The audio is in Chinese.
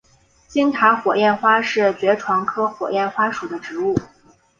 金塔火焰花是爵床科火焰花属的植物。